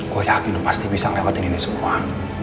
gue yakin pasti bisa ngelewatin ini semua